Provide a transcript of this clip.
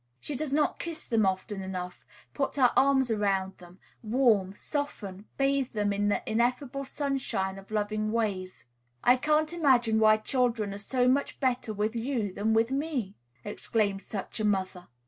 She does not kiss them often enough, put her arms around them, warm, soften, bathe them in the ineffable sunshine of loving ways. "I can't imagine why children are so much better with you than with me," exclaims such a mother.